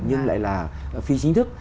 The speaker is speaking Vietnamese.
nhưng lại là phi chính thức